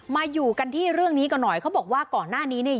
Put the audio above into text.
มาอยู่กันที่เรื่องนี้กันหน่อยเขาบอกว่าก่อนหน้านี้เนี่ย